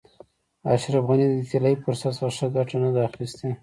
اشرف غني د دې طلایي فرصت څخه ښه ګټه نه ده اخیستې.